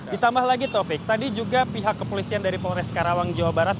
ditambah lagi taufik tadi juga pihak kepolisian dari polres karawang jawa barat